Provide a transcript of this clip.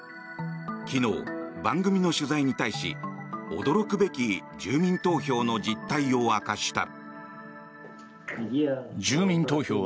昨日、番組の取材に対し驚くべき住民投票の実態を明かした。